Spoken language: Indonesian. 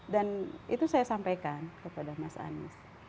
dan itu saya sampaikan kepada mas anies